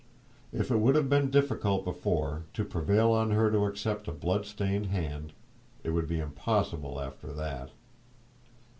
If it would have been difficult before to prevail on her to accept a blood stained hand, it would be impossible after that.